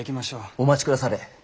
お待ちくだされ。